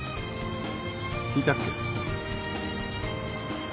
聞いたっけ？